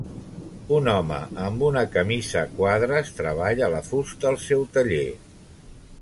Un home amb una camisa a quadres treballa la fusta al seu taller.